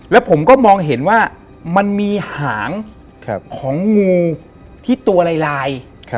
แล้วผมก็มองเห็นว่ามันมีหางของงูที่ตัวลาย